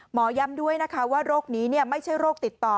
ย้ำด้วยนะคะว่าโรคนี้ไม่ใช่โรคติดต่อ